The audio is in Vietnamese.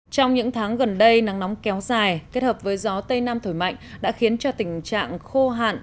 trong những tháng gần đây nắng nóng kéo dài kết hợp với gió tây nam thổi mạnh đã khiến cho tình trạng khô hạn